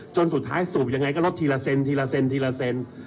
จนสุดท้ายสูบอย่างไรก็รถทีละเซน